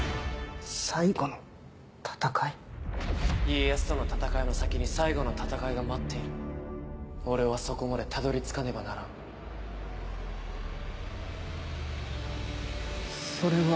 家康との戦いの先に最後の戦いが待ってい俺はそこまでたどり着かねばならんそれは。